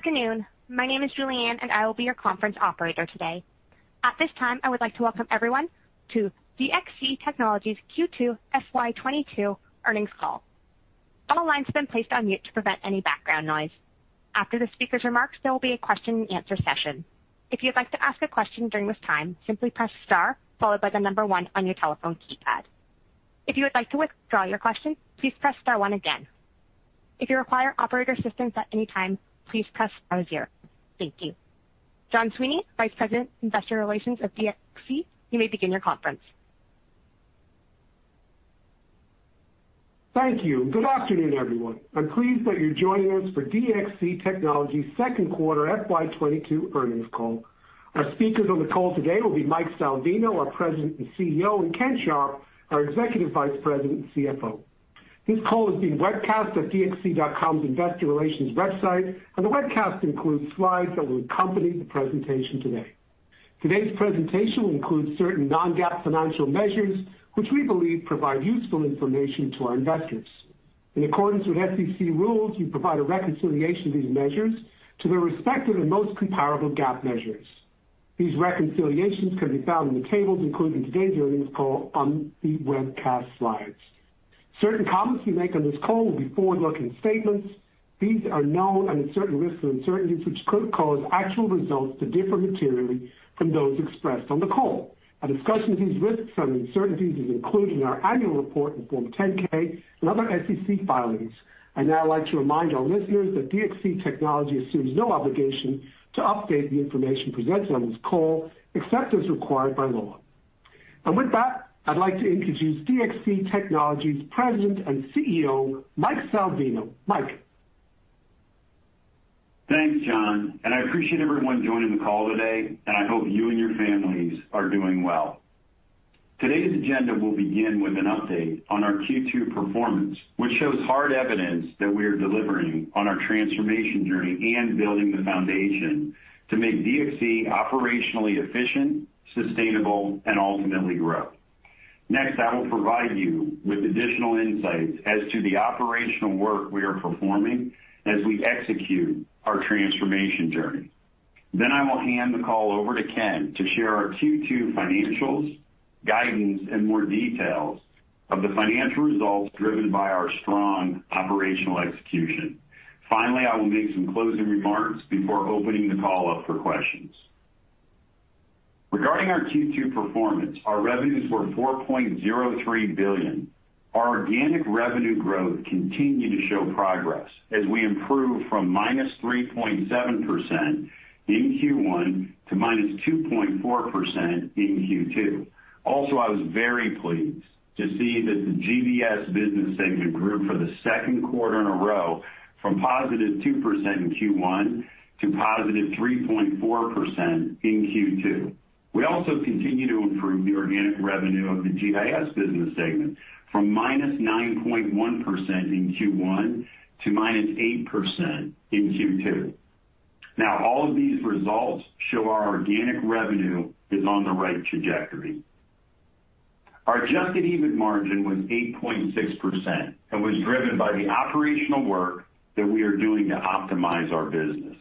Good afternoon. My name is Julianne, and I will be your conference operator today. At this time, I would like to welcome everyone to DXC Technology's Q2 FY 2022 earnings call. All lines have been placed on mute to prevent any background noise. After the speaker's remarks, there will be a question-and-answer session. If you'd like to ask a question during this time, simply press star followed by the number one on your telephone keypad. If you would like to withdraw your question, please press star one again. If you require operator assistance at any time, please press star zero. Thank you. John Sweeney, Vice President, Investor Relations at DXC, you may begin your conference. Thank you. Good afternoon, everyone. I'm pleased that you're joining us for DXC Technology second quarter FY 2022 earnings call. Our speakers on the call today will be Mike Salvino, our President and CEO, and Ken Sharp, our Executive Vice President and CFO. This call is being webcast at dxc.com's investor relations website, and the webcast includes slides that will accompany the presentation today. Today's presentation will include certain non-GAAP financial measures, which we believe provide useful information to our investors. In accordance with SEC rules, we provide a reconciliation of these measures to their respective and most comparable GAAP measures. These reconciliations can be found in the tables included in today's earnings call on the webcast slides. Certain comments we make on this call will be forward-looking statements. These are known and uncertain risks and uncertainties which could cause actual results to differ materially from those expressed on the call. A discussion of these risks and uncertainties is included in our annual report in Form 10-K and other SEC filings. I'd now like to remind all listeners that DXC Technology assumes no obligation to update the information presented on this call, except as required by law. With that, I'd like to introduce DXC Technology's President and CEO, Mike Salvino. Mike? Thanks, John, and I appreciate everyone joining the call today, and I hope you and your families are doing well. Today's agenda will begin with an update on our Q2 performance, which shows hard evidence that we are delivering on our transformation journey and building the foundation to make DXC operationally efficient, sustainable, and ultimately grow. Next, I will provide you with additional insights as to the operational work we are performing as we execute our transformation journey. Then I will hand the call over to Ken to share our Q2 financials, guidance, and more details of the financial results driven by our strong operational execution. Finally, I will make some closing remarks before opening the call up for questions. Regarding our Q2 performance, our revenues were $4.03 billion. Our organic revenue growth continued to show progress as we improve from -3.7% in Q1 to -2.4% in Q2. Also, I was very pleased to see that the GBS business segment grew for the second quarter in a row from +2% in Q1 to +3.4% in Q2. We also continue to improve the organic revenue of the GIS business segment from -9.1% in Q1 to -8% in Q2. Now, all of these results show our organic revenue is on the right trajectory. Our adjusted EBIT margin was 8.6% and was driven by the operational work that we are doing to optimize our business.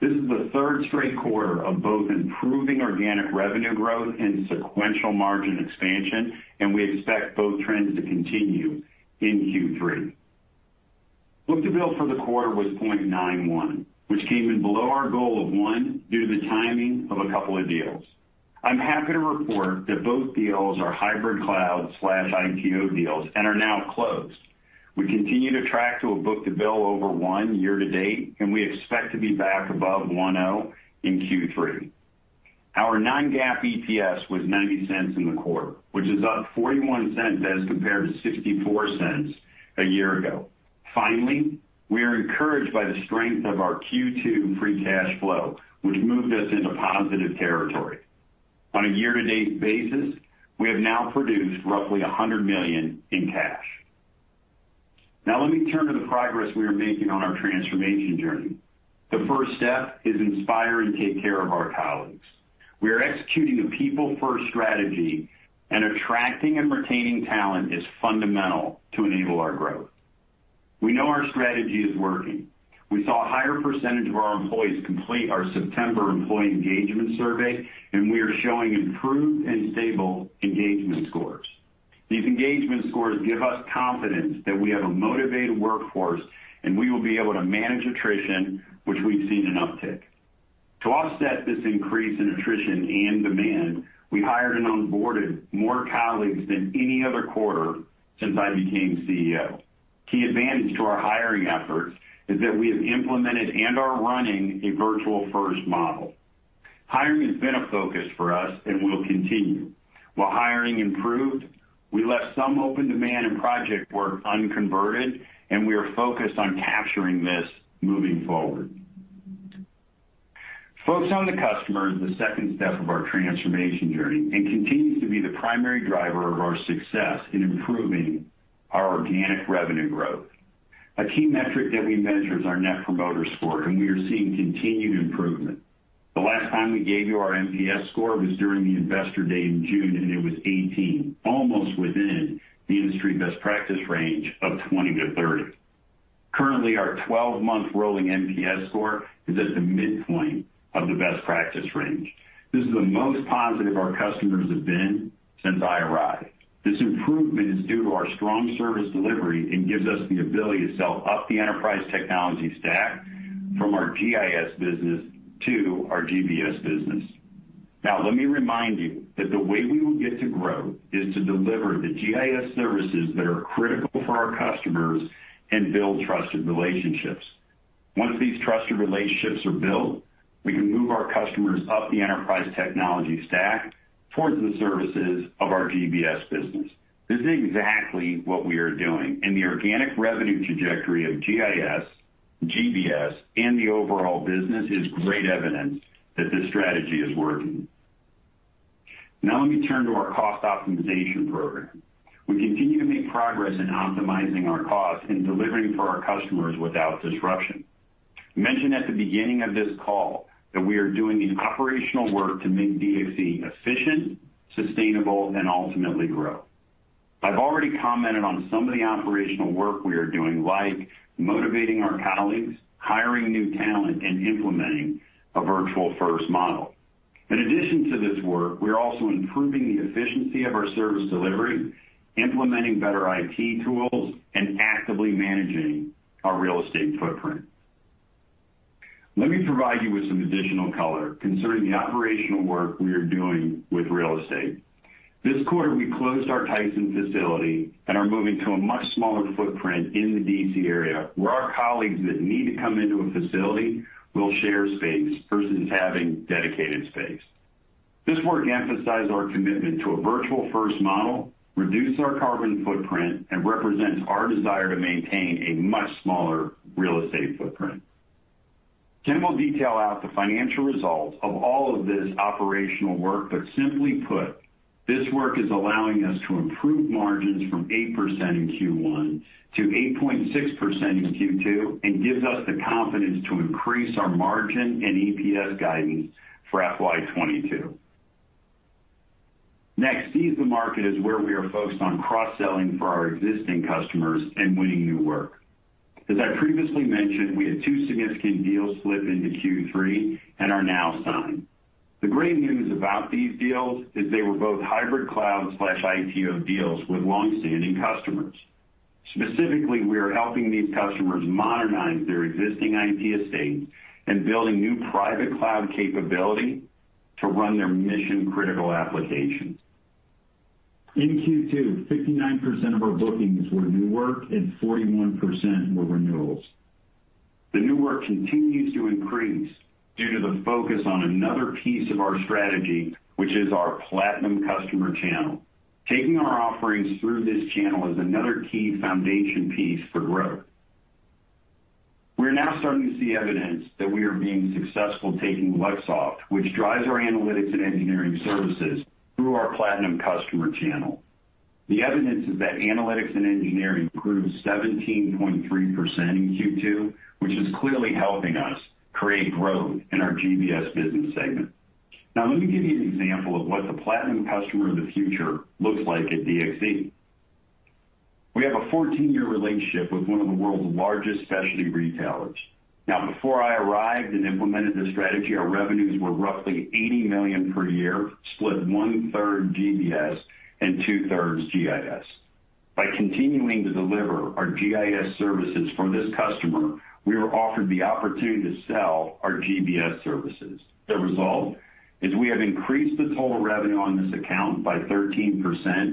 This is the third straight quarter of both improving organic revenue growth and sequential margin expansion, and we expect both trends to continue in Q3. Book-to-bill for the quarter was 0.91, which came in below our goal of 1 due to the timing of a couple of deals. I'm happy to report that both deals are hybrid cloud/ITO deals and are now closed. We continue to track to a book-to-bill over one year-to-date, and we expect to be back above 1.0 in Q3. Our non-GAAP EPS was $0.90 in the quarter, which is up $0.41 as compared to $0.64 a year ago. Finally, we are encouraged by the strength of our Q2 free cash flow, which moved us into positive territory. On a year-to-date basis, we have now produced roughly $100 million in cash. Now let me turn to the progress we are making on our transformation journey. The first step is to inspire and take care of our colleagues. We are executing a people-first strategy, and attracting and retaining talent is fundamental to enable our growth. We know our strategy is working. We saw a higher percentage of our employees complete our September employee engagement survey, and we are showing improved and stable engagement scores. These engagement scores give us confidence that we have a motivated workforce, and we will be able to manage attrition, which we've seen an uptick. To offset this increase in attrition and demand, we hired and onboarded more colleagues than any other quarter since I became CEO. Key advantage to our hiring efforts is that we have implemented and are running a virtual-first model. Hiring has been a focus for us and will continue. While hiring improved, we left some open demand and project work unconverted, and we are focused on capturing this moving forward. Focus on the customer is the second step of our transformation journey and continues to be the primary driver of our success in improving our organic revenue growth. A key metric that we measure is our Net Promoter Score, and we are seeing continued improvement. The last time we gave you our NPS score was during the Investor Day in June, and it was 18, almost within the industry best practice range of 20-30. Currently, our 12-month rolling NPS score is at the midpoint of the best practice range. This is the most positive our customers have been since I arrived. This improvement is due to our strong service delivery and gives us the ability to sell up the enterprise technology stack from our GIS business to our GBS business. Now, let me remind you that the way we will get to grow is to deliver the GIS services that are critical for our customers and build trusted relationships. Once these trusted relationships are built, we can move our customers up the enterprise technology stack towards the services of our GBS business. This is exactly what we are doing, and the organic revenue trajectory of GIS, GBS, and the overall business is great evidence that this strategy is working. Now let me turn to our cost optimization program. We continue to make progress in optimizing our costs and delivering for our customers without disruption. I mentioned at the beginning of this call that we are doing the operational work to make DXC efficient, sustainable, and ultimately grow. I've already commented on some of the operational work we are doing, like motivating our colleagues, hiring new talent, and implementing a virtual-first model. In addition to this work, we are also improving the efficiency of our service delivery, implementing better IT tools, and actively managing our real estate footprint. Let me provide you with some additional color concerning the operational work we are doing with real estate. This quarter, we closed our Tysons facility and are moving to a much smaller footprint in the D.C. area, where our colleagues that need to come into a facility will share space versus having dedicated space. This work emphasizes our commitment to a virtual-first model, reduce our carbon footprint, and represents our desire to maintain a much smaller real estate footprint. Ken will detail out the financial results of all of this operational work, but simply put, this work is allowing us to improve margins from 8% in Q1 to 8.6% in Q2 and gives us the confidence to increase our margin and EPS guidance for FY 2022. Next, seize the market is where we are focused on cross-selling for our existing customers and winning new work. As I previously mentioned, we had 2 significant deals slip into Q3 and are now signed. The great news about these deals is they were both hybrid cloud/ITO deals with long-standing customers. Specifically, we are helping these customers modernize their existing IT estate and building new private cloud capability to run their mission-critical applications. In Q2, 59% of our bookings were new work and 41% were renewals. The new work continues to increase due to the focus on another piece of our strategy, which is our platinum customer channel. Taking our offerings through this channel is another key foundation piece for growth. We are now starting to see evidence that we are being successful taking Luxoft, which drives our analytics and engineering services through our platinum customer channel. The evidence is that analytics and engineering improved 17.3% in Q2, which is clearly helping us create growth in our GBS business segment. Now, let me give you an example of what the platinum customer of the future looks like at DXC. We have a 14-year relationship with one of the world's largest specialty retailers. Now, before I arrived and implemented this strategy, our revenues were roughly $80 million per year, split 1/3 GBS and 2/3 GIS. By continuing to deliver our GIS services for this customer, we were offered the opportunity to sell our GBS services. The result is we have increased the total revenue on this account by 13%,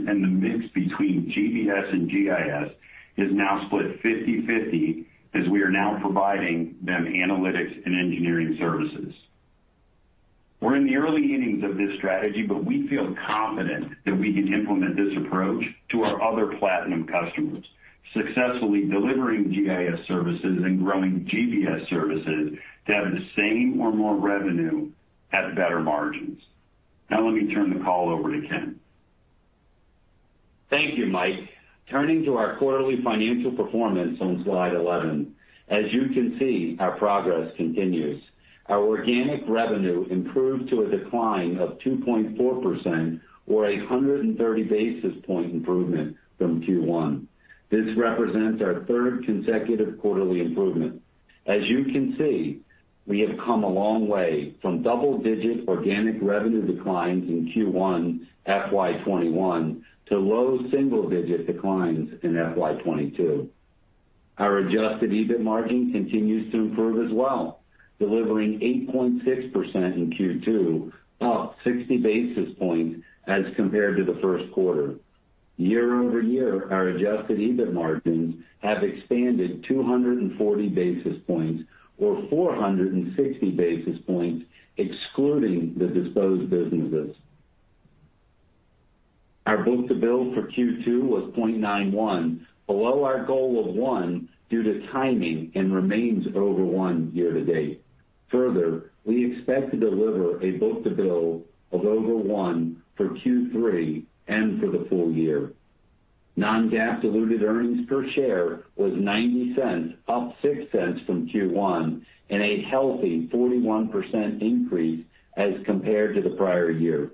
and the mix between GBS and GIS is now split 50/50 as we are now providing them analytics and engineering services. We're in the early innings of this strategy, but we feel confident that we can implement this approach to our other platinum customers, successfully delivering GIS services and growing GBS services to have the same or more revenue at better margins. Now let me turn the call over to Ken. Thank you, Mike. Turning to our quarterly financial performance on slide 11. As you can see, our progress continues. Our organic revenue improved to a decline of 2.4% or a 130 basis point improvement from Q1. This represents our third consecutive quarterly improvement. As you can see, we have come a long way from double-digit organic revenue declines in Q1 FY 2021 to low single-digit declines in FY 2022. Our adjusted EBIT margin continues to improve as well, delivering 8.6% in Q2, up 60 basis points as compared to the first quarter. Year-over-year, our adjusted EBIT margins have expanded 240 basis points or 460 basis points excluding the disposed businesses. Our book-to-bill for Q2 was 0.91, below our goal of one due to timing and remains over one year-to-date. Further, we expect to deliver a book-to-bill of over 1 for Q3 and for the full year. Non-GAAP diluted earnings per share was $0.90, up $0.06 from Q1 and a healthy 41% increase as compared to the prior year.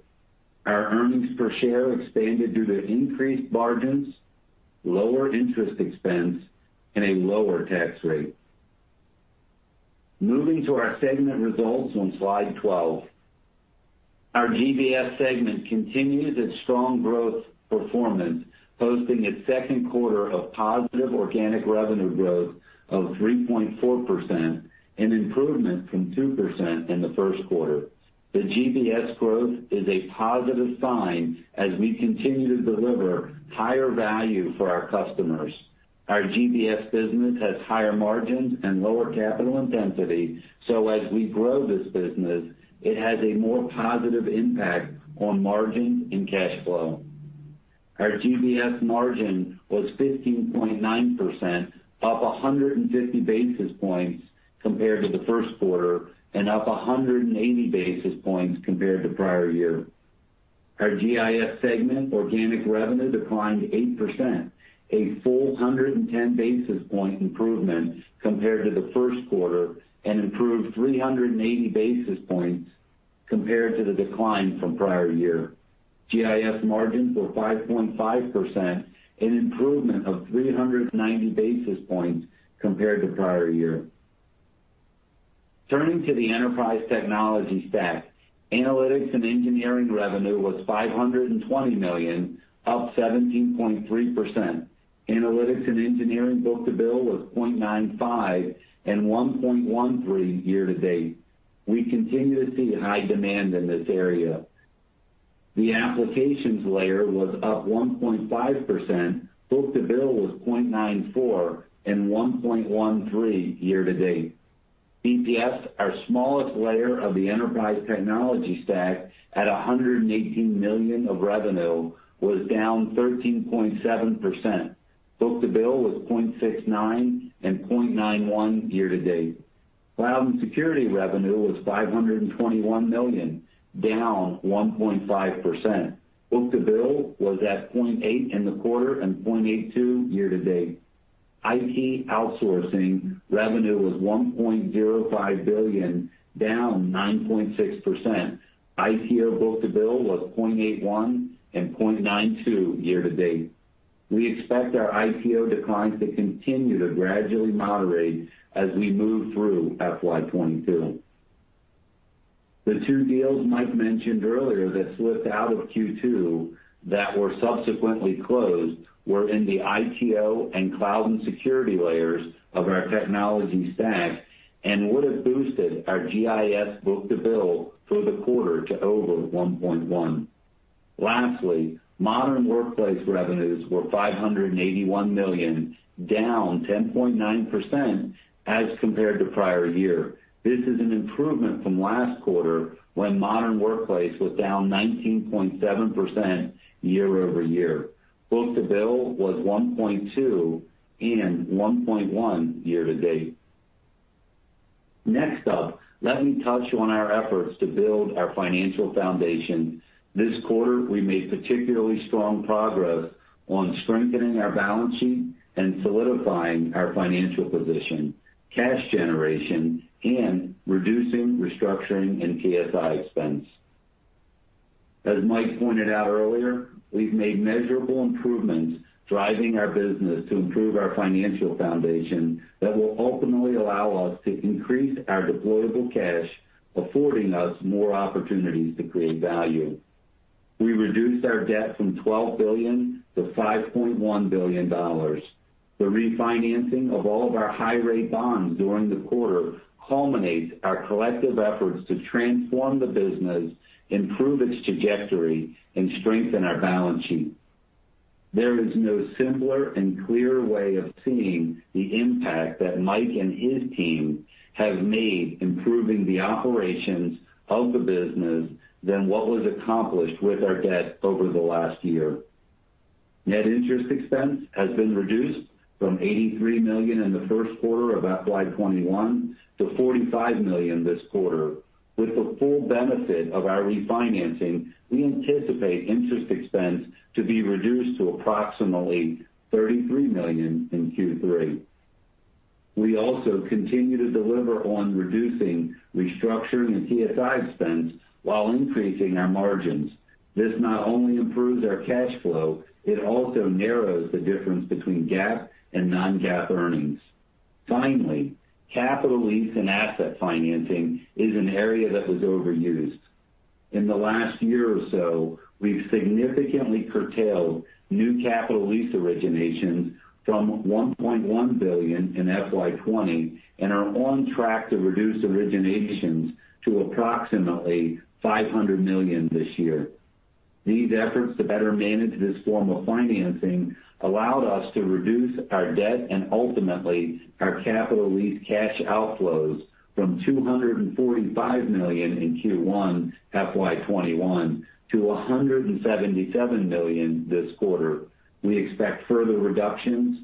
Our earnings per share expanded due to increased margins, lower interest expense, and a lower tax rate. Moving to our segment results on slide 12. Our GBS segment continues its strong growth performance, posting its second quarter of positive organic revenue growth of 3.4%, an improvement from 2% in the first quarter. The GBS growth is a positive sign as we continue to deliver higher value for our customers. Our GBS business has higher margins and lower capital intensity, so as we grow this business, it has a more positive impact on margins and cash flow. Our GBS margin was 15.9%, up 150 basis points compared to the first quarter and up 180 basis points compared to prior year. Our GIS segment organic revenue declined 8%, a full 110 basis points improvement compared to the first quarter and improved 380 basis points compared to the decline from prior year. GIS margins were 5.5%, an improvement of 390 basis points compared to prior year. Turning to the enterprise technology stack. Analytics and engineering revenue was $520 million, up 17.3%. Analytics and engineering book-to-bill was 0.95 and 1.13 year-to-date. We continue to see high demand in this area. The applications layer was up 1.5%. Book-to-bill was 0.94 and 1.13 year-to-date. BPS, our smallest layer of the enterprise technology stack at $118 million of revenue, was down 13.7%. Book-to-bill was 0.69 and 0.91 year-to-date. Cloud and security revenue was $521 million, down 1.5%. Book-to-bill was at 0.8 in the quarter and 0.82 year-to-date. IT outsourcing revenue was $1.05 billion, down 9.6%. ITO book-to-bill was 0.81 and 0.92 year-to-date. We expect our ITO declines to continue to gradually moderate as we move through FY 2022. The two deals Mike mentioned earlier that slipped out of Q2 that were subsequently closed were in the ITO and cloud and security layers of our technology stack and would have boosted our GIS book-to-bill for the quarter to over 1.1. Lastly, modern workplace revenues were $581 million, down 10.9% as compared to prior year. This is an improvement from last quarter when modern workplace was down 19.7% year-over-year. Book-to-bill was 1.2 and 1.1 year-to-date. Next up, let me touch on our efforts to build our financial foundation. This quarter, we made particularly strong progress on strengthening our balance sheet and solidifying our financial position, cash generation, and reducing restructuring and TSI expense. As Mike pointed out earlier, we've made measurable improvements driving our business to improve our financial foundation that will ultimately allow us to increase our deployable cash, affording us more opportunities to create value. We reduced our debt from $12 billion-$5.1 billion. The refinancing of all of our high rate bonds during the quarter culminates our collective efforts to transform the business, improve its trajectory, and strengthen our balance sheet. There is no simpler and clearer way of seeing the impact that Mike and his team have made improving the operations of the business than what was accomplished with our debt over the last year. Net interest expense has been reduced from $83 million in the first quarter of FY 2021 to $45 million this quarter. With the full benefit of our refinancing, we anticipate interest expense to be reduced to approximately $33 million in Q3. We also continue to deliver on reducing restructuring and TSI expense while increasing our margins. This not only improves our cash flow, it also narrows the difference between GAAP and non-GAAP earnings. Finally, capital lease and asset financing is an area that was overused. In the last year or so, we've significantly curtailed new capital lease originations from $1.1 billion in FY 2020 and are on track to reduce originations to approximately $500 million this year. These efforts to better manage this form of financing allowed us to reduce our debt and ultimately our capital lease cash outflows from $245 million in Q1 FY 2021 to $177 million this quarter. We expect further reductions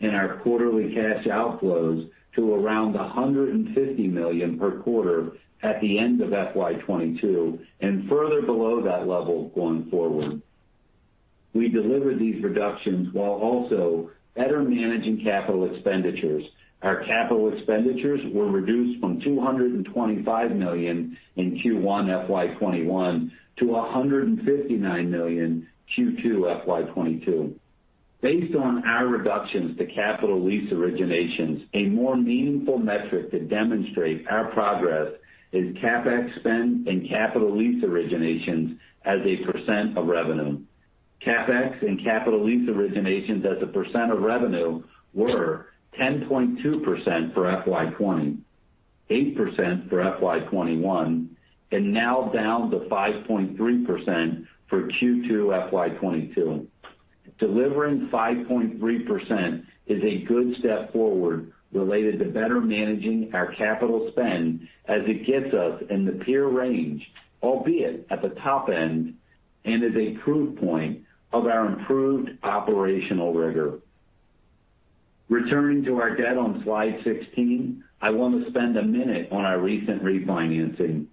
in our quarterly cash outflows to around $150 million per quarter at the end of FY 2022 and further below that level going forward. We delivered these reductions while also better managing capital expenditures. Our capital expenditures were reduced from $225 million in Q1 FY 2021 to $159 million Q2 FY 2022. Based on our reductions to capital lease originations, a more meaningful metric to demonstrate our progress is CapEx spend and capital lease originations as a percent of revenue. CapEx and capital lease originations as a percent of revenue were 10.2% for FY 2020, 8% for FY 2021, and now down to 5.3% for Q2 FY 2022. Delivering 5.3% is a good step forward related to better managing our capital spend as it gets us in the peer range, albeit at the top end, and is a proof point of our improved operational rigor. Returning to our debt on slide 16, I want to spend a minute on our recent refinancing.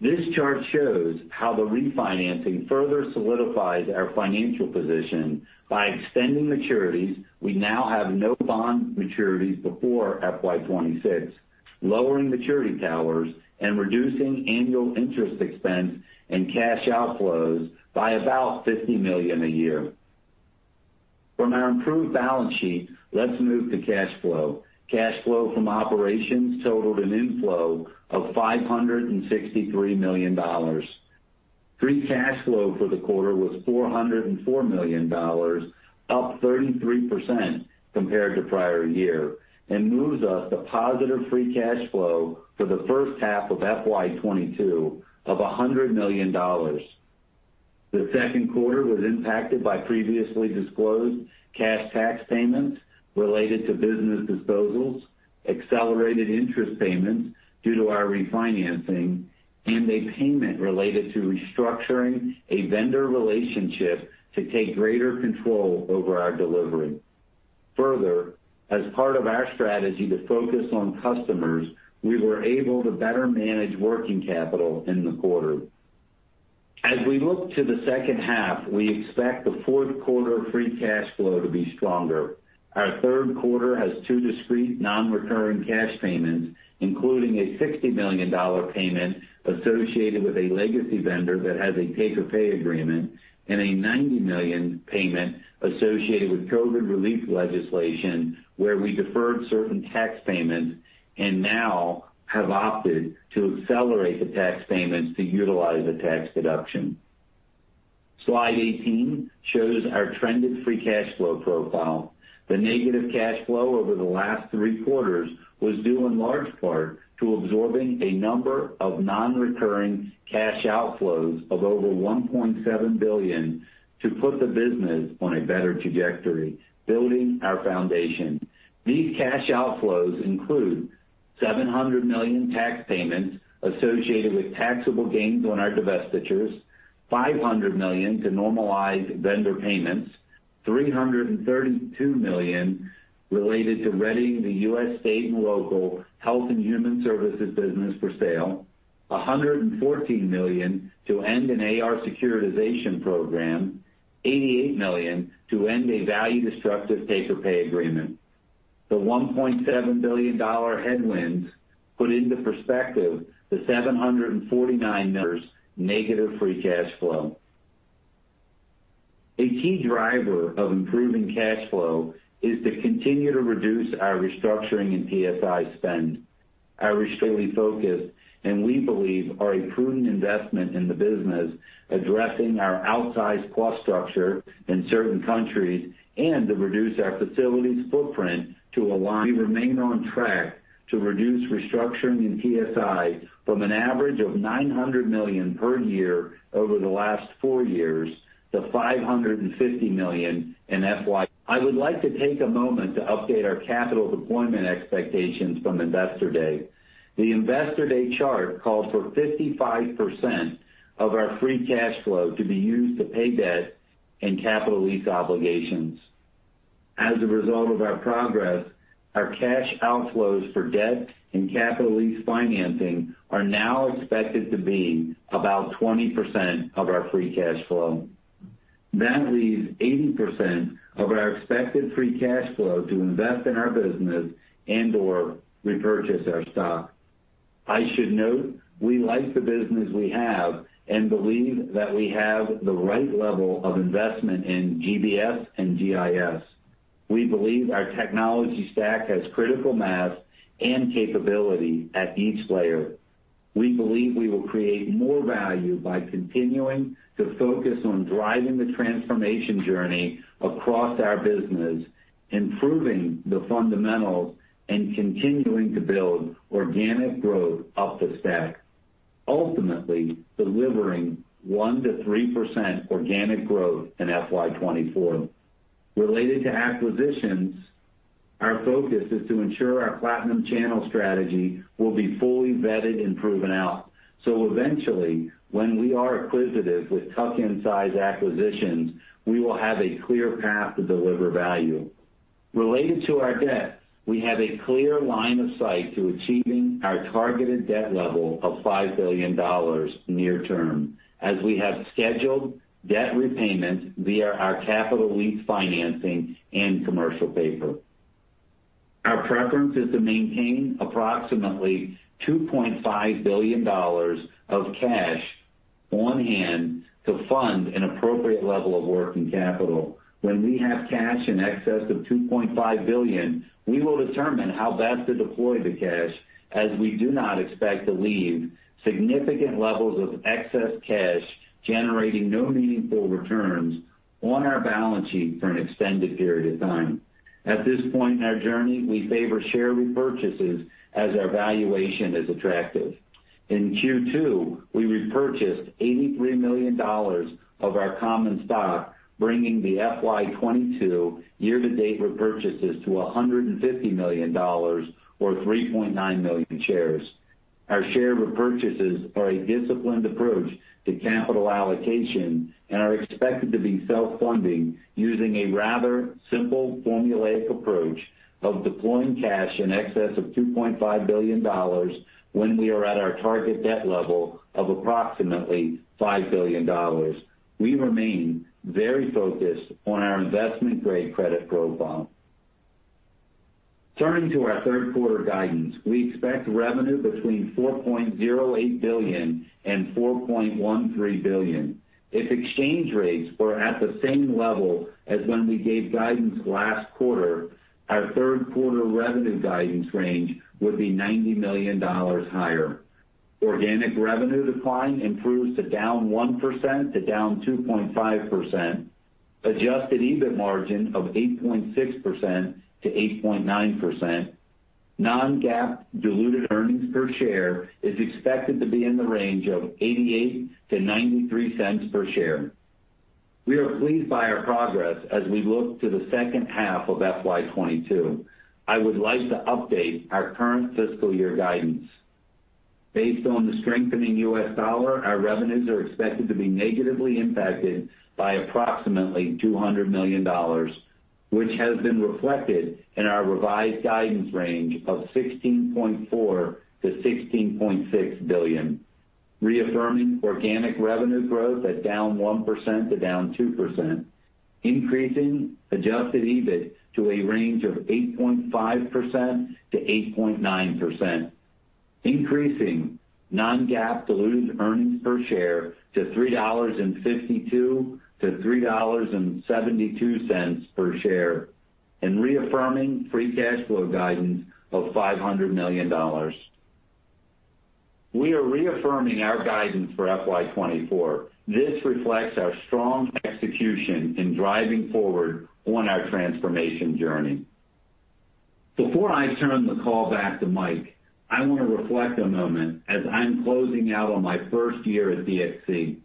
This chart shows how the refinancing further solidifies our financial position. By extending maturities, we now have no bond maturities before FY 2026, lowering maturity towers and reducing annual interest expense and cash outflows by about $50 million a year. From our improved balance sheet, let's move to cash flow. Cash flow from operations totaled an inflow of $563 million. Free cash flow for the quarter was $404 million, up 33% compared to prior year, and moves us to positive free cash flow for the first half of FY 2022 of $100 million. The second quarter was impacted by previously disclosed cash tax payments related to business disposals, accelerated interest payments due to our refinancing, and a payment related to restructuring a vendor relationship to take greater control over our delivery. Further, as part of our strategy to focus on customers, we were able to better manage working capital in the quarter. As we look to the second half, we expect the fourth quarter free cash flow to be stronger. Our third quarter has two discrete nonrecurring cash payments, including a $60 million payment associated with a legacy vendor that has a pay-for-pay agreement and a $90 million payment associated with COVID relief legislation, where we deferred certain tax payments and now have opted to accelerate the tax payments to utilize the tax deduction. Slide 18 shows our trended free cash flow profile. The negative cash flow over the last three quarters was due in large part to absorbing a number of nonrecurring cash outflows of over $1.7 billion to put the business on a better trajectory, building our foundation. These cash outflows include $700 million tax payments associated with taxable gains on our divestitures, $500 million to normalize vendor payments, $332 million related to readying the U.S. State and Local Health and Human Services business for sale, $114 million to end an AR securitization program, $88 million to end a value-destructive pay-for-pay agreement. The $1.7 billion headwind put into perspective the $749 million negative free cash flow. A key driver of improving cash flow is to continue to reduce our restructuring and TSI spend. Our restructuring focus, and we believe are a prudent investment in the business addressing our outsized cost structure in certain countries and to reduce our facilities footprint to align... We remain on track to reduce restructuring in TSI from an average of $900 million per year over the last 4 years to $550 million in FY 2024. I would like to take a moment to update our capital deployment expectations from Investor Day. The Investor Day chart calls for 55% of our free cash flow to be used to pay debt and capital lease obligations. As a result of our progress, our cash outflows for debt and capital lease financing are now expected to be about 20% of our free cash flow. That leaves 80% of our expected free cash flow to invest in our business and/or repurchase our stock. I should note we like the business we have and believe that we have the right level of investment in GBS and GIS. We believe our technology stack has critical mass and capability at each layer. We believe we will create more value by continuing to focus on driving the transformation journey across our business, improving the fundamentals, and continuing to build organic growth up the stack, ultimately delivering 1%-3% organic growth in FY 2024. Related to acquisitions. Our focus is to ensure our platinum channel strategy will be fully vetted and proven out. Eventually, when we are acquisitive with tuck-in size acquisitions, we will have a clear path to deliver value. Related to our debt, we have a clear line of sight to achieving our targeted debt level of $5 billion near term, as we have scheduled debt repayment via our capital lease financing and commercial paper. Our preference is to maintain approximately $2.5 billion of cash on hand to fund an appropriate level of working capital. When we have cash in excess of $2.5 billion, we will determine how best to deploy the cash as we do not expect to leave significant levels of excess cash generating no meaningful returns on our balance sheet for an extended period of time. At this point in our journey, we favor share repurchases as our valuation is attractive. In Q2, we repurchased $83 million of our common stock, bringing the FY 2022 year-to-date repurchases to $150 million or 3.9 million shares. Our share repurchases are a disciplined approach to capital allocation and are expected to be self-funding using a rather simple formulaic approach of deploying cash in excess of $2.5 billion when we are at our target debt level of approximately $5 billion. We remain very focused on our investment-grade credit profile. Turning to our third quarter guidance, we expect revenue between $4.08 billion and $4.13 billion. If exchange rates were at the same level as when we gave guidance last quarter, our third quarter revenue guidance range would be $90 million higher. Organic revenue decline improves to down 1% to down 2.5%. Adjusted EBIT margin of 8.6%-8.9%. Non-GAAP diluted earnings per share is expected to be in the range of $0.88-$0.93 per share. We are pleased by our progress as we look to the second half of FY 2022. I would like to update our current fiscal year guidance. Based on the strengthening U.S. dollar, our revenues are expected to be negatively impacted by approximately $200 million, which has been reflected in our revised guidance range of $16.4 billion-$16.6 billion. Reaffirming organic revenue growth at down 1%-2%, increasing adjusted EBIT to a range of 8.5%-8.9%, increasing non-GAAP diluted earnings per share to $3.52-$3.72 per share, and reaffirming free cash flow guidance of $500 million. We are reaffirming our guidance for FY 2024. This reflects our strong execution in driving forward on our transformation journey. Before I turn the call back to Mike, I want to reflect a moment as I'm closing out on my first year at DXC.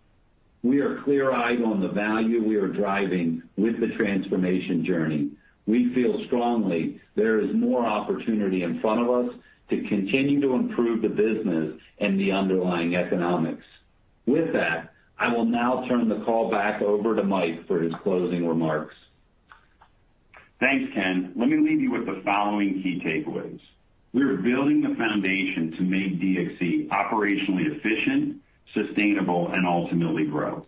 We are clear-eyed on the value we are driving with the transformation journey. We feel strongly there is more opportunity in front of us to continue to improve the business and the underlying economics. With that, I will now turn the call back over to Mike for his closing remarks. Thanks, Ken. Let me leave you with the following key takeaways. We are building the foundation to make DXC operationally efficient, sustainable, and ultimately grow.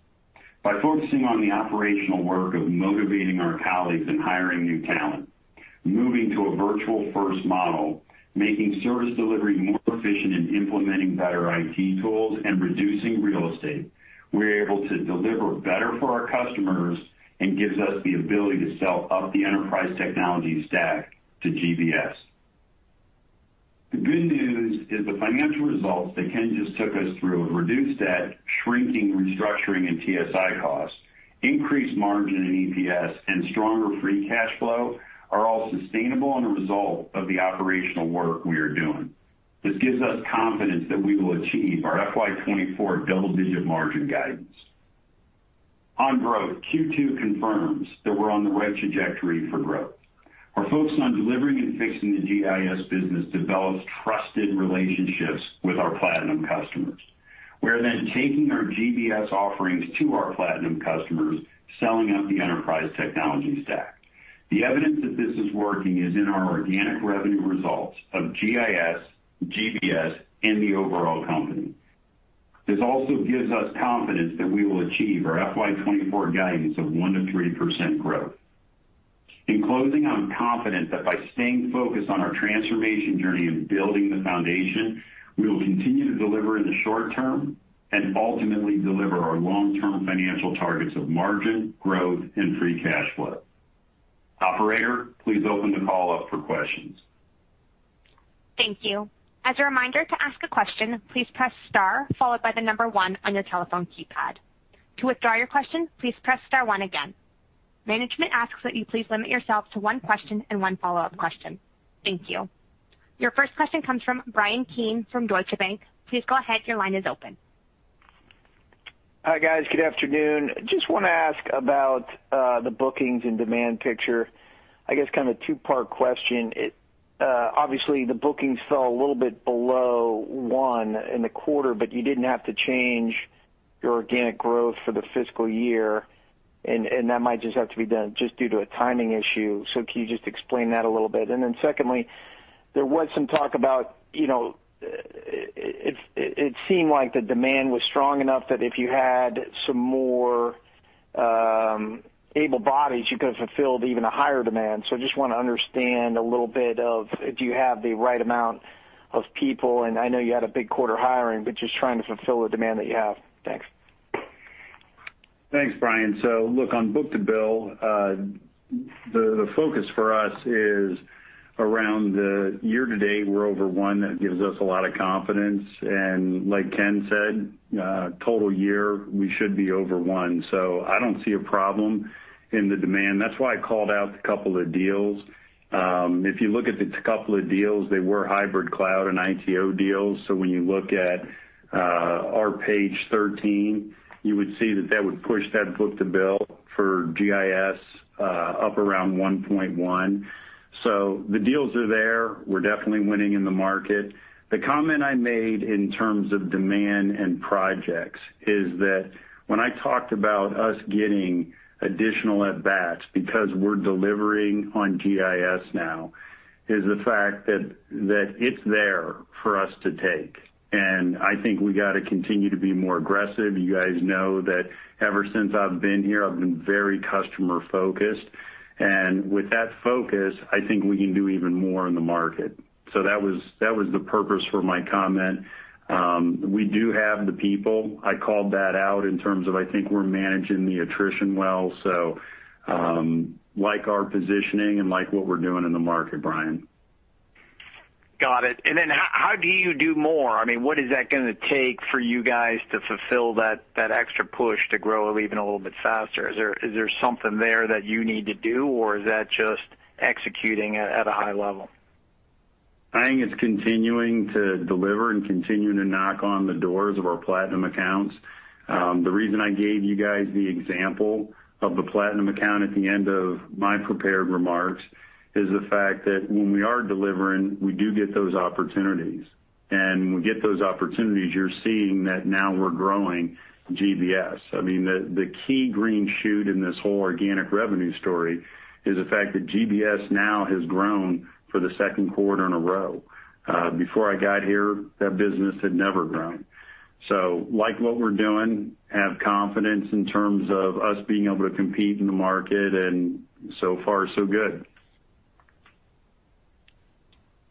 By focusing on the operational work of motivating our colleagues and hiring new talent, moving to a virtual-first model, making service delivery more efficient, and implementing better IT tools and reducing real estate, we're able to deliver better for our customers and gives us the ability to sell up the enterprise technology stack to GBS. The good news is the financial results that Ken just took us through of reduced debt, shrinking, restructuring, and TSI costs, increased margin in EPS, and stronger free cash flow are all sustainable and a result of the operational work we are doing. This gives us confidence that we will achieve our FY 2024 double-digit margin guidance. On growth, Q2 confirms that we're on the right trajectory for growth. Our focus on delivering and fixing the GIS business develops trusted relationships with our platinum customers. We're then taking our GBS offerings to our platinum customers, selling up the enterprise technology stack. The evidence that this is working is in our organic revenue results of GIS, GBS, and the overall company. This also gives us confidence that we will achieve our FY 2024 guidance of 1%-3% growth. In closing, I'm confident that by staying focused on our transformation journey and building the foundation, we will continue to deliver in the short term and ultimately deliver our long-term financial targets of margin, growth, and free cash flow. Operator, please open the call up for questions. Thank you. As a reminder, to ask a question, please press star followed by the number one on your telephone keypad. To withdraw your question, please press star one again. Management asks that you please limit yourself to one question and one follow-up question. Thank you. Your first question comes from Bryan Keane from Deutsche Bank. Please go ahead. Your line is open. Hi, guys. Good afternoon. Just wanna ask about the bookings and demand picture. I guess kind of a two-part question. It obviously, the bookings fell a little bit below 1 in the quarter, but you didn't have to change your organic growth for the fiscal year, and that might just have to be done just due to a timing issue. Can you just explain that a little bit? Secondly, there was some talk about, you know, it seemed like the demand was strong enough that if you had some more able bodies, you could have fulfilled even a higher demand. Just wanna understand a little bit of do you have the right amount of people, and I know you had a big quarter hiring, but just trying to fulfill the demand that you have. Thanks. Thanks, Bryan. Look, on book-to-bill, the focus for us is around the year-to-date, we're over 1. That gives us a lot of confidence. Like Ken said, total year, we should be over 1. I don't see a problem in the demand. That's why I called out the couple of deals. If you look at the couple of deals, they were hybrid cloud and ITO deals. When you look at our page 13, you would see that that would push that book-to-bill for GIS up around 1.1. The deals are there. We're definitely winning in the market. The comment I made in terms of demand and projects is that when I talked about us getting additional at bats because we're delivering on GIS now, is the fact that it's there for us to take. I think we gotta continue to be more aggressive. You guys know that ever since I've been here, I've been very customer-focused. With that focus, I think we can do even more in the market. That was the purpose for my comment. We do have the people. I called that out in terms of I think we're managing the attrition well. Like our positioning and like what we're doing in the market, Bryan. Got it. How do you do more? I mean, what is that gonna take for you guys to fulfill that extra push to grow even a little bit faster? Is there something there that you need to do, or is that just executing at a high level? I think it's continuing to deliver and continuing to knock on the doors of our platinum accounts. The reason I gave you guys the example of the platinum account at the end of my prepared remarks is the fact that when we are delivering, we do get those opportunities. When we get those opportunities, you're seeing that now we're growing GBS. I mean, the key green shoot in this whole organic revenue story is the fact that GBS now has grown for the second quarter in a row. Before I got here, that business had never grown. Like what we're doing, have confidence in terms of us being able to compete in the market, and so far so good.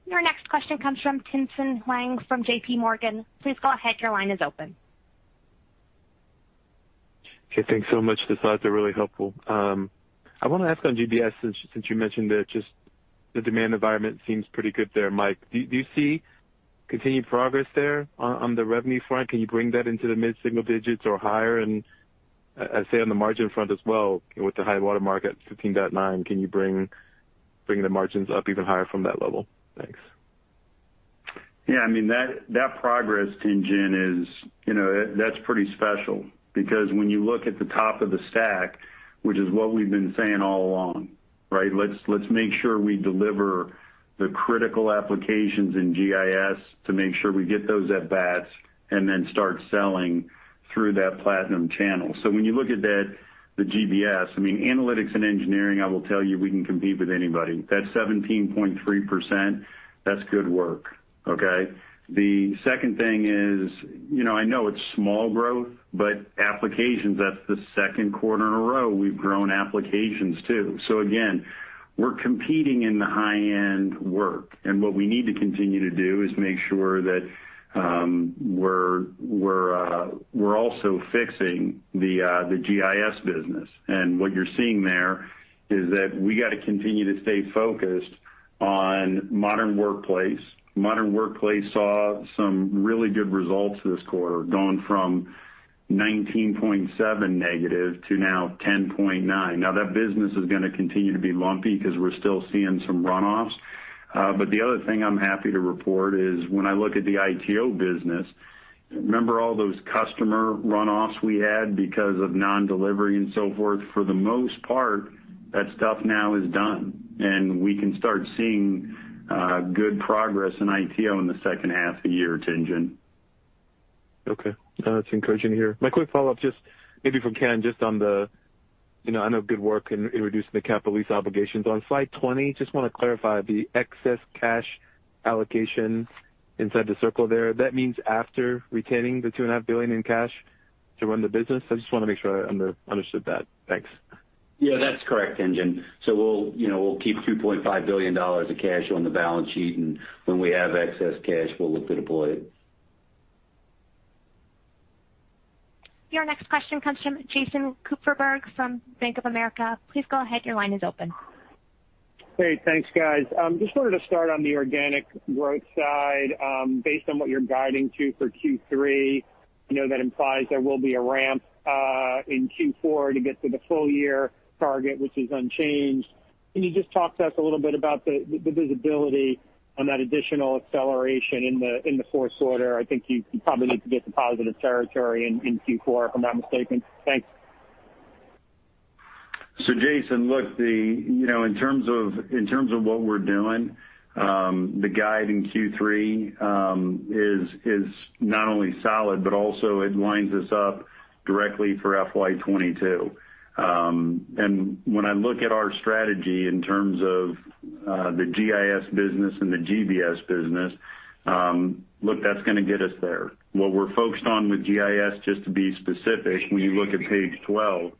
Your next question comes from Tien-Tsin Huang from JPMorgan. Please go ahead, your line is open. Okay. Thanks so much. The slides are really helpful. I want to ask on GBS, since you mentioned that just the demand environment seems pretty good there, Mike. Do you see continued progress there on the revenue front? Can you bring that into the mid-single digits or higher? I say on the margin front as well, with the high-water mark, 15.9%, can you bring the margins up even higher from that level? Thanks. Yeah. I mean, that progress engine is, you know, that's pretty special because when you look at the top of the stack, which is what we've been saying all along, right? Let's make sure we deliver the critical applications in GIS to make sure we get those at bats and then start selling through that platinum channel. So when you look at that, the GBS, I mean, analytics and engineering, I will tell you, we can compete with anybody. That 17.3%, that's good work, okay? The second thing is, you know, I know it's small growth, but applications, that's the second quarter in a row we've grown applications too. So again, we're competing in the high-end work, and what we need to continue to do is make sure that we're also fixing the GIS business. What you're seeing there is that we gotta continue to stay focused on modern workplace. Modern workplace saw some really good results this quarter, going from -19.7% to now 10.9%. Now, that business is gonna continue to be lumpy because we're still seeing some runoffs. But the other thing I'm happy to report is when I look at the ITO business, remember all those customer runoffs we had because of non-delivery and so forth? For the most part, that stuff now is done, and we can start seeing good progress in ITO in the second half of the year, Tien-Tsin. Okay. That's encouraging to hear. My quick follow-up, just maybe for Ken, just on the. You know, I know good work in reducing the capital lease obligations. On slide 20, just wanna clarify the excess cash allocation inside the circle there. That means after retaining the $2.5 billion in cash to run the business? I just wanna make sure I understood that. Thanks. Yeah, that's correct, Tien-Tsin. We'll, you know, we'll keep $2.5 billion of cash on the balance sheet, and when we have excess cash, we'll look to deploy it. Your next question comes from Jason Kupferberg from Bank of America. Please go ahead, your line is open. Great. Thanks, guys. Just wanted to start on the organic growth side. Based on what you're guiding to for Q3, I know that implies there will be a ramp in Q4 to get to the full year target, which is unchanged. Can you just talk to us a little bit about the visibility on that additional acceleration in the fourth quarter? I think you probably need to get to positive territory in Q4, if I'm not mistaken. Thanks. Jason, look, the You know, in terms of what we're doing, the guide in Q3 is not only solid, but also it lines us up directly for FY 2022. When I look at our strategy in terms of the GIS business and the GBS business, look, that's gonna get us there. What we're focused on with GIS, just to be specific, when you look at page 12,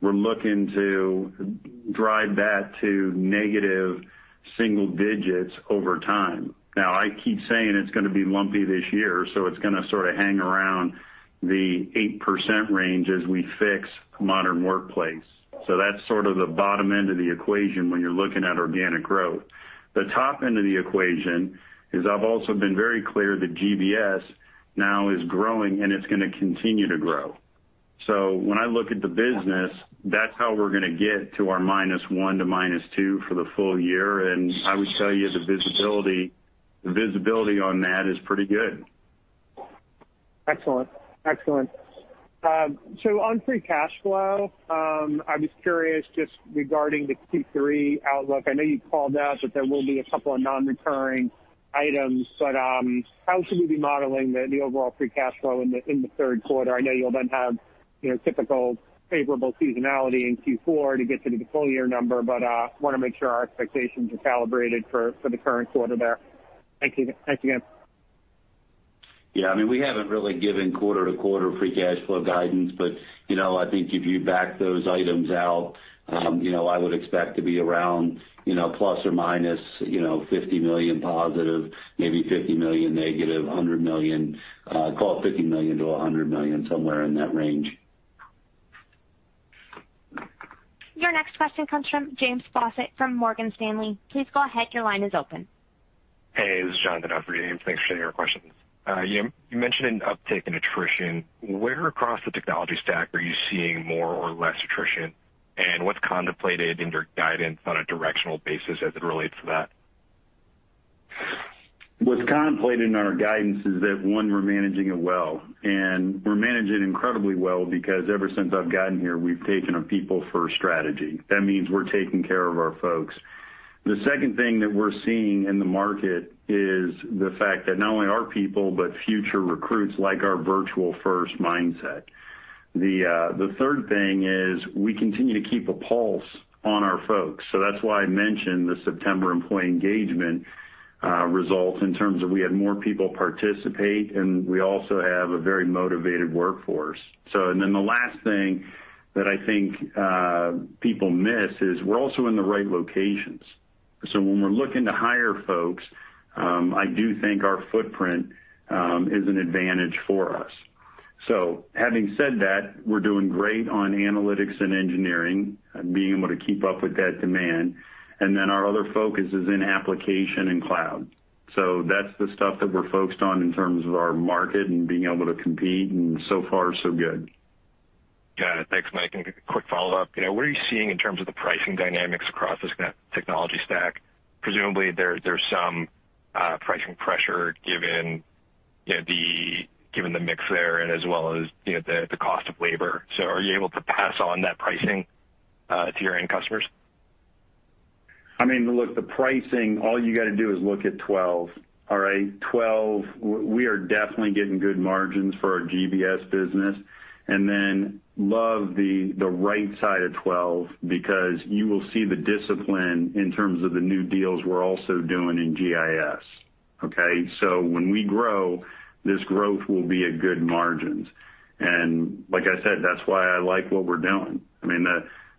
we're looking to drive that to negative single digits over time. Now, I keep saying it's gonna be lumpy this year, so it's gonna sort of hang around the 8% range as we fix modern workplace. That's sort of the bottom end of the equation when you're looking at organic growth. The top end of the equation is I've also been very clear that GBS now is growing, and it's gonna continue to grow. When I look at the business, that's how we're gonna get to our -1% to -2% for the full year, and I would tell you the visibility on that is pretty good. Excellent. On free cash flow, I'm just curious just regarding the Q3 outlook. I know you called out that there will be a couple of non-recurring items, but how should we be modeling the overall free cash flow in the third quarter? I know you'll then have you know typical favorable seasonality in Q4 to get to the full year number, but wanna make sure our expectations are calibrated for the current quarter there. Thank you. Thanks again. Yeah. I mean, we haven't really given quarter-to-quarter free cash flow guidance but, you know, I think if you back those items out, you know, I would expect to be around, you know, plus or minus, you know, $50 million positive, maybe $50 million negative, $100 million. Call it $50 million to $100 million, somewhere in that range. Your next question comes from James Faucette from Morgan Stanley. Please go ahead, your line is open. Hey, this is Jonathan. Thanks for taking our questions. You mentioned an uptick in attrition. Where across the technology stack are you seeing more or less attrition? What's contemplated in your guidance on a directional basis as it relates to that? What's contemplated in our guidance is that, one, we're managing it well, and we're managing it incredibly well because ever since I've gotten here, we've taken a people-first strategy. That means we're taking care of our folks. The second thing that we're seeing in the market is the fact that not only our people, but future recruits like our virtual-first mindset. The third thing is we continue to keep a pulse on our folks. That's why I mentioned the September employee engagement results in terms of we had more people participate, and we also have a very motivated workforce. Then the last thing that I think people miss is we're also in the right locations. When we're looking to hire folks, I do think our footprint is an advantage for us. Having said that, we're doing great on analytics and engineering, being able to keep up with that demand, and then our other focus is in application and cloud. That's the stuff that we're focused on in terms of our market and being able to compete, and so far, so good. Got it. Thanks, Mike. Quick follow-up. You know, what are you seeing in terms of the pricing dynamics across this technology stack? Presumably, there's some pricing pressure given, you know, given the mix there and as well as, you know, the cost of labor. Are you able to pass on that pricing to your end customers? I mean, look, the pricing, all you gotta do is look at 12, all right? 12, we are definitely getting good margins for our GBS business. Then I love the right side of 12 because you will see the discipline in terms of the new deals we're also doing in GIS, okay? When we grow, this growth will be at good margins. Like I said, that's why I like what we're doing. I mean,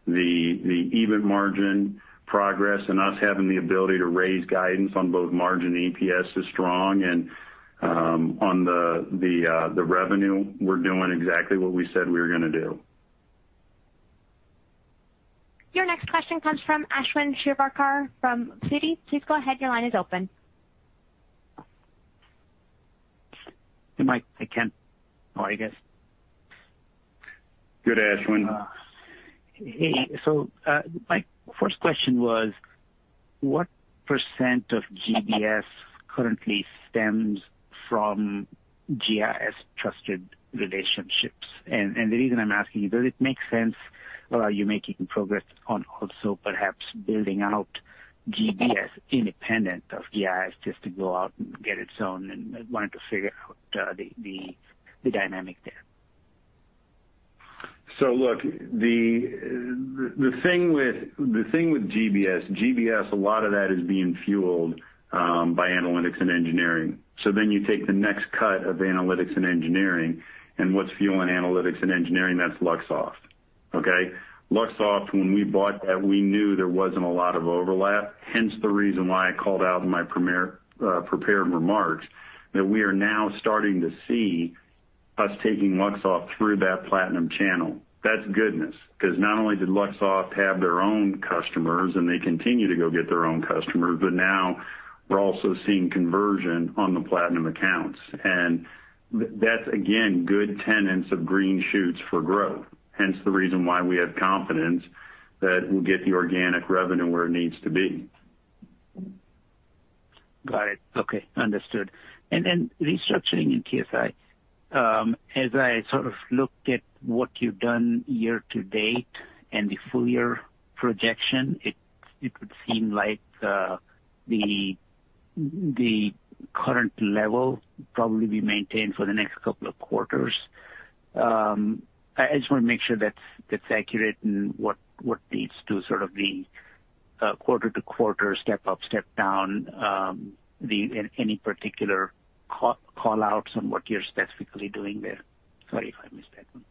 the EBIT margin progress and us having the ability to raise guidance on both margin and EPS is strong, and on the revenue, we're doing exactly what we said we were gonna do. Your next question comes from Ashwin Shirvaikar from Citi. Please go ahead, your line is open. Hey, Mike. Hi, Ken. How are you guys? Good, Ashwin. Hey. My first question was, what % of GBS currently stems from GIS-trusted relationships? The reason I'm asking you, does it make sense or are you making progress on also perhaps building out GBS independent of GIS just to go out and get its own? I wanted to figure out the dynamic there. Look, the thing with GBS, a lot of that is being fueled by analytics and engineering. Then you take the next cut of analytics and engineering, and what's fueling analytics and engineering? That's Luxoft. Okay? Luxoft, when we bought that, we knew there wasn't a lot of overlap, hence the reason why I called out in my prepared remarks that we are now starting to see us taking Luxoft through that Platinum channel, that's goodness because not only did Luxoft have their own customers, and they continue to go get their own customers, but now we're also seeing conversion on the Platinum accounts. That's, again, good tenets of green shoots for growth. Hence the reason why we have confidence that we'll get the organic revenue where it needs to be. Got it. Okay, understood. Restructuring in TSI. As I sort of looked at what you've done year-to-date and the full year projection, it would seem like the current level probably be maintained for the next couple of quarters. I just want to make sure that's accurate and what leads to sort of the quarter-to-quarter step up, step down, any particular call outs on what you're specifically doing there? Sorry if I missed that one.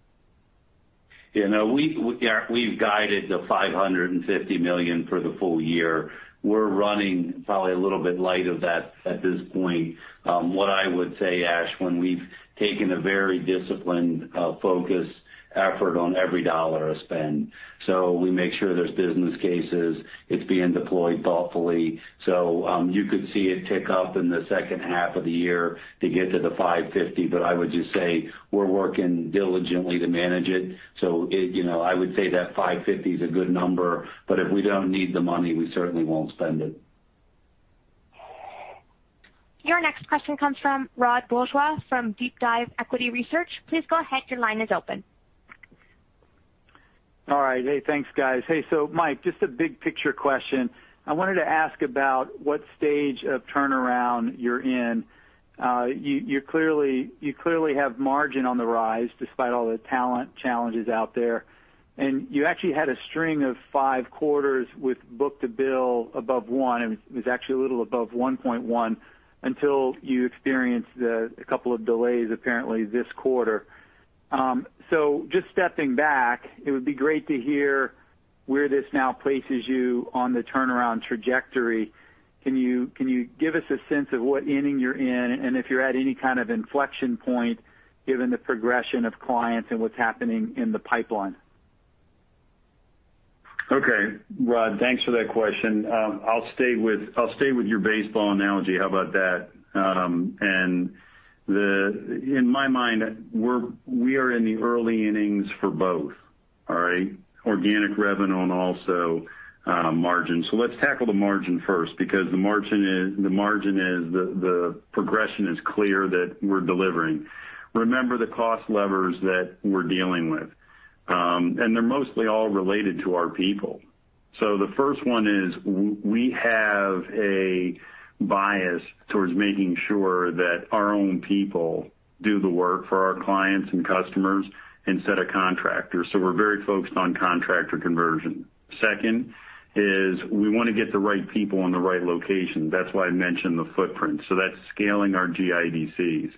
Yeah, no. We've guided $550 million for the full year. We're running probably a little bit light of that at this point. What I would say, Ashwin, we've taken a very disciplined, focused effort on every dollar I spend. We make sure there's business cases, it's being deployed thoughtfully. You could see it tick up in the second half of the year to get to the $550. I would just say we're working diligently to manage it. You know, I would say that $550 is a good number, but if we don't need the money, we certainly won't spend it. Your next question comes from Rod Bourgeois from DeepDive Equity Research. Please go ahead, your line is open. All right. Hey, thanks, guys. Hey, so Mike, just a big picture question. I wanted to ask about what stage of turnaround you're in. You clearly have margin on the rise despite all the talent challenges out there. You actually had a string of 5 quarters with book-to-bill above 1, and it was actually a little above 1.1, until you experienced a couple of delays, apparently this quarter. Just stepping back, it would be great to hear where this now places you on the turnaround trajectory. Can you give us a sense of what inning you're in and if you're at any kind of inflection point given the progression of clients and what's happening in the pipeline? Okay. Rod, thanks for that question. I'll stay with your baseball analogy. How about that? In my mind, we are in the early innings for both. All right? Organic revenue and also margin. Let's tackle the margin first because the margin progression is clear that we're delivering. Remember the cost levers that we're dealing with and they're mostly all related to our people. The first one is we have a bias towards making sure that our own people do the work for our clients and customers instead of contractors. We're very focused on contractor conversion. Second is we wanna get the right people in the right location. That's why I mentioned the footprint. That's scaling our GIDCs.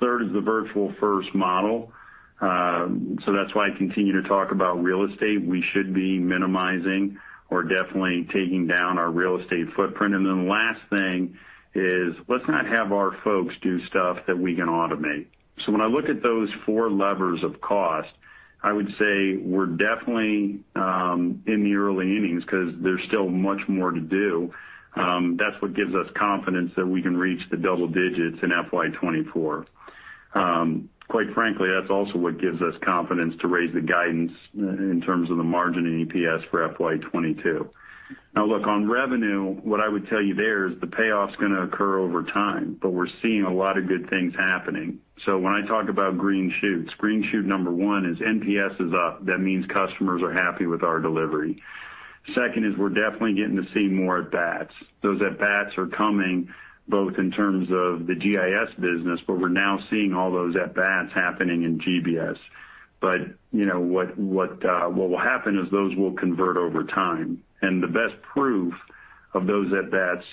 Third is the virtual first model, so that's why I continue to talk about real estate. We should be minimizing or definitely taking down our real estate footprint. The last thing is let's not have our folks do stuff that we can automate. When I look at those four levers of cost, I would say we're definitely in the early innings because there's still much more to do. That's what gives us confidence that we can reach the double digits in FY 2024. Quite frankly, that's also what gives us confidence to raise the guidance in terms of the margin and EPS for FY 2022. Now look, on revenue, what I would tell you there is the payoff's gonna occur over time, but we're seeing a lot of good things happening. When I talk about green shoots, green shoot number one is NPS is up. That means customers are happy with our delivery. Second is we're definitely getting to see more at-bats. Those at-bats are coming both in terms of the GIS business, but we're now seeing all those at-bats happening in GBS. You know, what will happen is those will convert over time. The best proof of those at-bats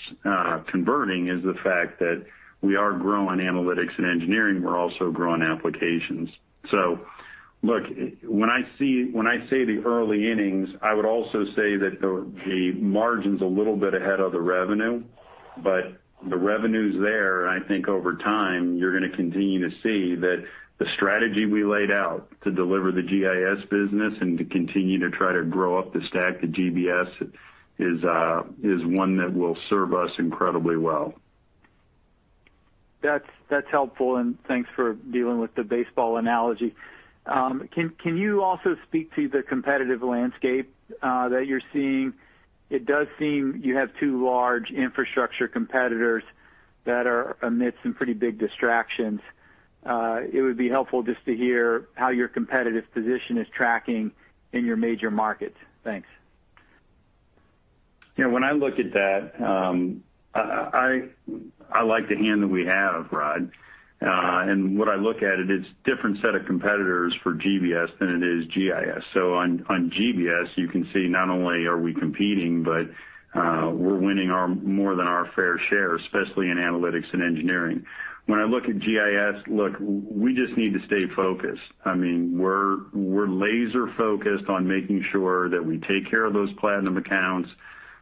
converting is the fact that we are growing analytics and engineering. We're also growing applications. Look, when I say the early innings, I would also say that the margin's a little bit ahead of the revenue, but the revenue's there. I think over time, you're gonna continue to see that the strategy we laid out to deliver the GIS business and to continue to try to grow up the stack of GBS is one that will serve us incredibly well. That's helpful, and thanks for dealing with the baseball analogy. Can you also speak to the competitive landscape that you're seeing? It does seem you have two large infrastructure competitors that are amidst some pretty big distractions. It would be helpful just to hear how your competitive position is tracking in your major markets. Thanks. Yeah, when I look at that, I like the hand that we have, Rod. When I look at it's a different set of competitors for GBS than it is GIS. On GBS, you can see not only are we competing, but we're winning more than our fair share, especially in analytics and engineering. When I look at GIS, look, we just need to stay focused. I mean, we're laser focused on making sure that we take care of those Platinum accounts.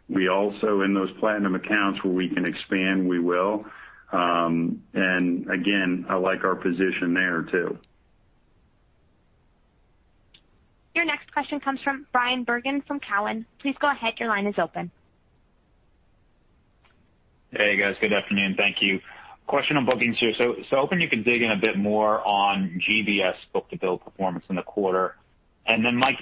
We also, in those Platinum accounts, where we can expand, we will. Again, I like our position there, too. Your next question comes from Bryan Bergin from Cowen. Please go ahead. Your line is open. Hey, guys. Good afternoon. Thank you. Question on bookings here. Hoping you can dig in a bit more on GBS book-to-bill performance in the quarter. Mike,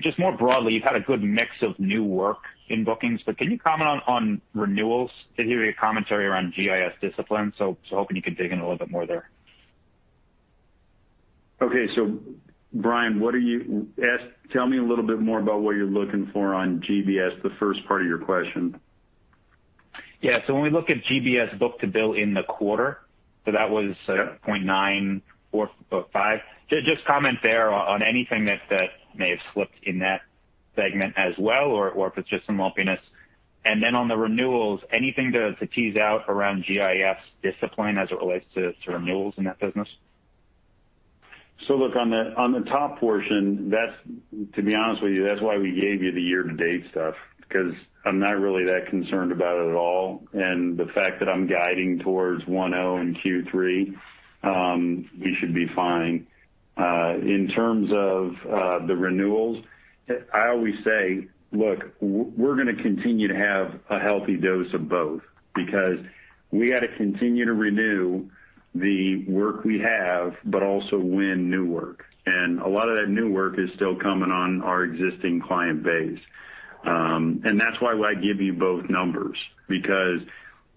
just more broadly, you've had a good mix of new work in bookings, but can you comment on renewals? I did hear your commentary around GIS discipline, hoping you can dig in a little bit more there. Okay. Bryan, tell me a little bit more about what you're looking for on GBS, the first part of your question. Yeah. When we look at GBS book-to-bill in the quarter, so that was- Yeah. -0.94 to 0.5. Just comment there on anything that may have slipped in that segment as well or if it's just some lumpiness. On the renewals, anything to tease out around GIS discipline as it relates to renewals in that business? Look, on the top portion, that's, to be honest with you, that's why we gave you the year-to-date stuff, because I'm not really that concerned about it at all. The fact that I'm guiding towards 1.0 in Q3, we should be fine. In terms of the renewals, I always say, look, we're gonna continue to have a healthy dose of both because we gotta continue to renew the work we have, but also win new work. A lot of that new work is still coming on our existing client base. That's why I give you both numbers, because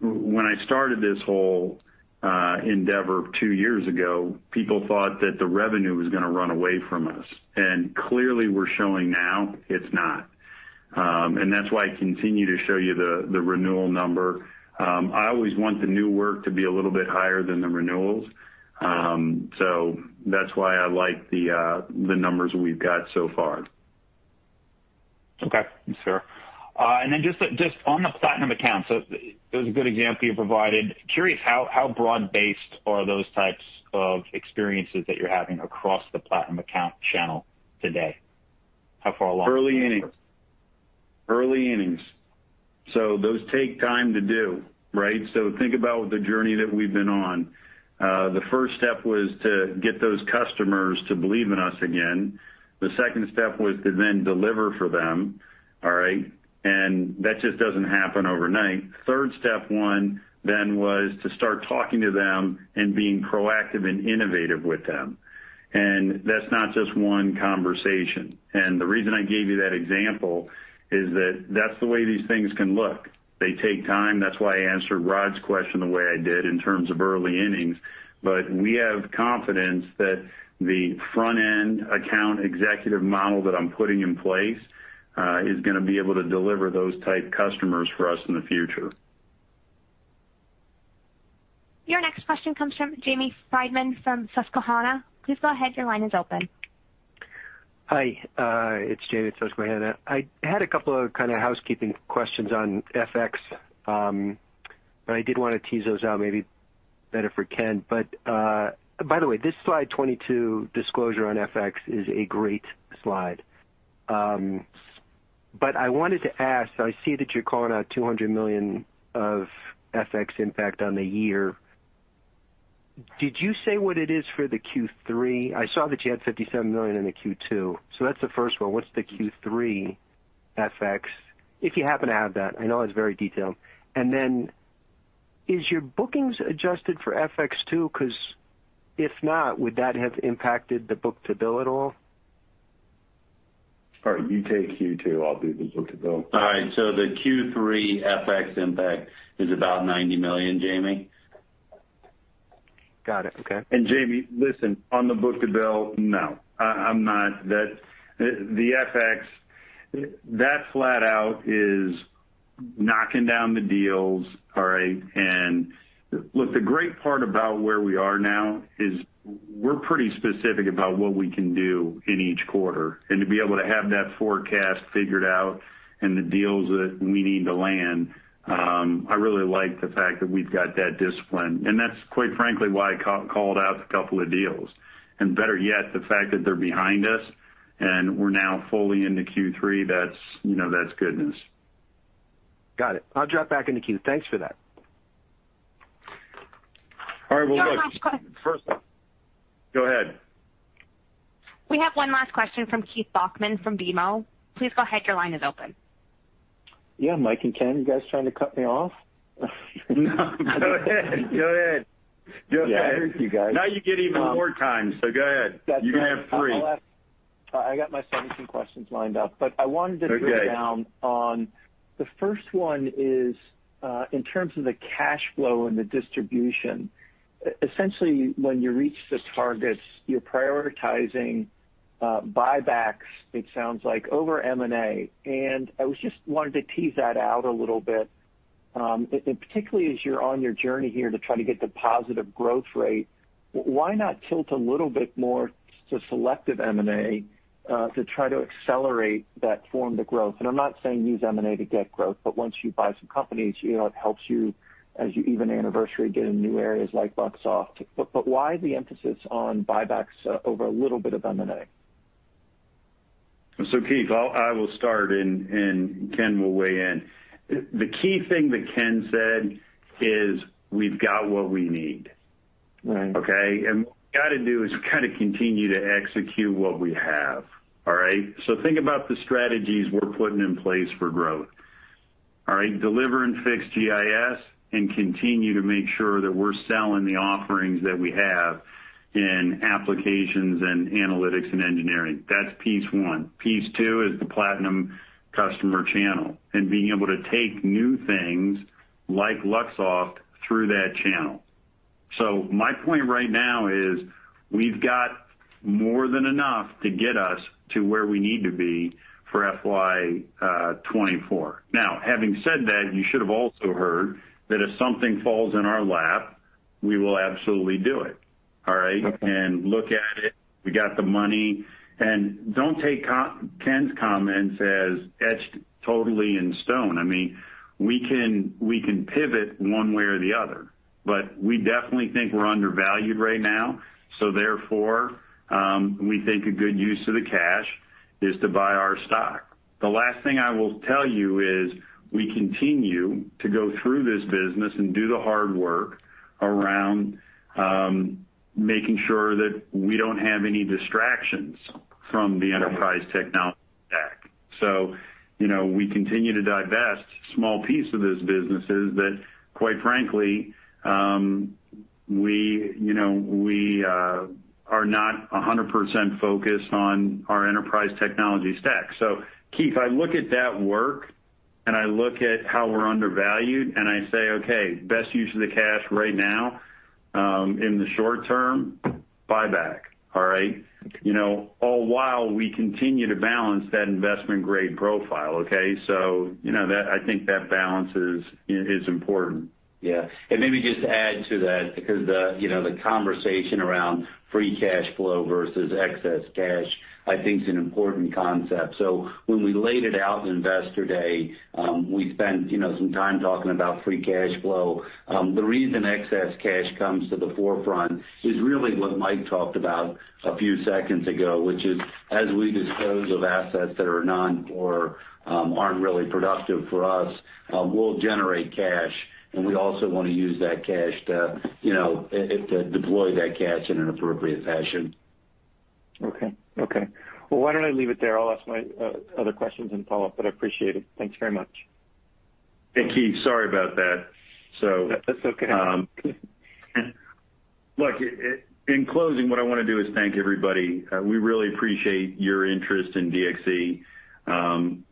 when I started this whole endeavor two years ago, people thought that the revenue was gonna run away from us. Clearly we're showing now it's not. That's why I continue to show you the renewal number. I always want the new work to be a little bit higher than the renewals. That's why I like the numbers we've got so far. Okay. Sure. Just on the platinum accounts, it was a good example you provided. I'm curious how broad-based are those types of experiences that you're having across the platinum account channel today? How far along? Early innings. Those take time to do, right? Think about the journey that we've been on. The first step was to get those customers to believe in us again. The second step was to then deliver for them, all right? That just doesn't happen overnight. Third step one then was to start talking to them and being proactive and innovative with them. That's not just one conversation. The reason I gave you that example is that that's the way these things can look. They take time. That's why I answered Rod's question the way I did in terms of early innings. We have confidence that the front-end account executive model that I'm putting in place is gonna be able to deliver those type customers for us in the future. Your next question comes from Jamie Friedman from Susquehanna. Please go ahead. Your line is open. Hi, it's Jamie at Susquehanna. I had a couple of kind of housekeeping questions on FX. I did wanna tease those out, maybe better for Ken. By the way, this slide 22 disclosure on FX is a great slide. I wanted to ask, I see that you're calling out $200 million of FX impact on the year. Did you say what it is for the Q3? I saw that you had $57 million in the Q2. That's the first one. What's the Q3 FX, if you happen to have that? I know it's very detailed. Then is your bookings adjusted for FX too? 'Cause if not, would that have impacted the book-to-bill at all? All right, you take Q2, I'll do the book-to-bill. All right, the Q3 FX impact is about $90 million, Jamie. Got it. Okay. Jamie, listen, on the book-to-bill, no, I'm not. That the FX, that flat out is knocking down the deals, all right? Look, the great part about where we are now is we're pretty specific about what we can do in each quarter, and to be able to have that forecast figured out and the deals that we need to land, I really like the fact that we've got that discipline. That's quite frankly why I called out a couple of deals. Better yet, the fact that they're behind us and we're now fully into Q3, that's, you know, that's good news. Got it. I'll drop back in the queue. Thanks for that. All right. Well, look- Your next question. First, go ahead. We have one last question from Keith Bachman from BMO. Please go ahead. Your line is open. Yeah. Mike and Ken, you guys trying to cut me off? No. Go ahead. Yeah, I hear you guys. Now you get even more time, so go ahead. You can have three. I got my 70 questions lined up, but I wanted to. Okay. The first one is, in terms of the cash flow and the distribution, essentially, when you reach the targets, you're prioritizing buybacks, it sounds like, over M&A. I just wanted to tease that out a little bit, and particularly as you're on your journey here to try to get the positive growth rate, why not tilt a little bit more to selective M&A to try to accelerate that form of growth? I'm not saying use M&A to get growth, but once you buy some companies, you know, it helps you as you even anniversary get in new areas like Luxoft. Why the emphasis on buybacks over a little bit of M&A? Keith, I will start and Ken will weigh in. The key thing that Ken said is we've got what we need. Right. Okay? What we gotta do is kind of continue to execute what we have. All right? Think about the strategies we're putting in place for growth. All right? Deliver and fix GIS and continue to make sure that we're selling the offerings that we have in applications and analytics and engineering. That's piece one. Piece two is the platinum customer channel and being able to take new things like Luxoft through that channel. My point right now is we've got more than enough to get us to where we need to be for FY 2024. Now, having said that, you should have also heard that if something falls in our lap, we will absolutely do it. All right? Okay. Look at it. We got the money. Don't take Ken's comments as etched totally in stone. I mean, we can pivot one way or the other, but we definitely think we're undervalued right now, so therefore, we think a good use of the cash is to buy our stock. The last thing I will tell you is we continue to go through this business and do the hard work around making sure that we don't have any distractions from the enterprise technology stack. You know, we continue to divest small piece of those businesses that quite frankly, we are not 100% focused on our enterprise technology stack. Keith, I look at that work, and I look at how we're undervalued, and I say, "Okay, best use of the cash right now, in the short term, buyback." All right? You know, all while we continue to balance that investment-grade profile, okay? You know that, I think that balance is important. Yeah. Maybe just to add to that because the, you know, the conversation around free cash flow versus excess cash, I think is an important concept. When we laid it out in Investor Day, we spent, you know, some time talking about free cash flow. The reason excess cash comes to the forefront is really what Mike talked about a few seconds ago, which is, as we dispose of assets that are non-core or aren't really productive for us, we'll generate cash, and we also want to use that cash to, you know, to deploy that cash in an appropriate fashion. Okay. Well, why don't I leave it there? I'll ask my other questions in follow-up, but I appreciate it. Thanks very much. Hey, Keith. Sorry about that. That's okay. In closing, what I wanna do is thank everybody. We really appreciate your interest in DXC.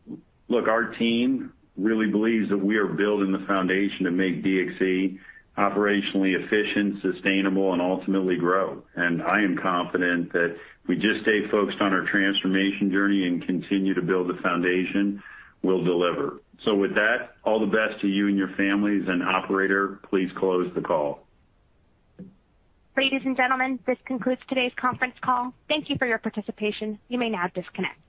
Look, our team really believes that we are building the foundation to make DXC operationally efficient, sustainable and ultimately grow. I am confident that if we just stay focused on our transformation journey and continue to build the foundation, we'll deliver. With that, all the best to you and your families and operator, please close the call. Ladies and gentlemen, this concludes today's conference call. Thank you for your participation. You may now disconnect.